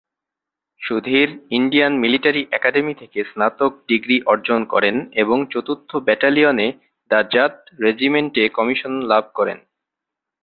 Sudhir Indian military academy থেকে স্নাতক degree অর্জন করেন এবং চতুর্থ ব্যাটালিয়নে দ্য জাট রেজিমেন্টে কমিশন লাভ করেন।